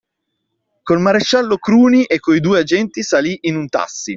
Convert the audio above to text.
Col maresciallo Cruni e coi due agenti salì in un tassi